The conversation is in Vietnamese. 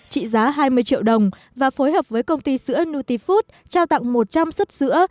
trị giá hai mươi triệu đồng và phối hợp với công ty sữa nutifood trao tặng một trăm linh xuất sữa